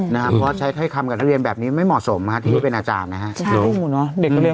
เพราะใช้คำการเรียนแบบนี้ไม่เหมาะสมที่เป็นอาจารย์นะครับ